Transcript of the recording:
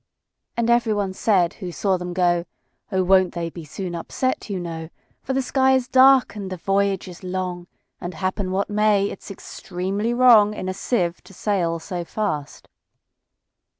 And every one said who saw them go,"Oh! won't they be soon upset, you know:For the sky is dark, and the voyage is long; And, happen what may, it 's extremely wrongIn a sieve to sail so fast."